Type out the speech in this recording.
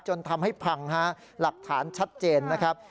จนทำให้พังฮะหลักฐานชัดเจนนะครับ